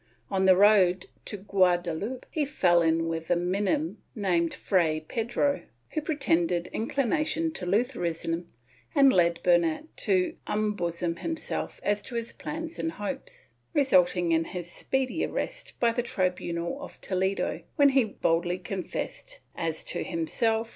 On the road to Guada lupe he fell in with a Minim named Fray Pedro, who pretended inclination to Lutheranism and led Bernat to unbosom himself as to his plans and hopes, resulting in his speedy arrest by the tribunal of Toledo, when he boldly confessed as to himself and ' Nueva Recop.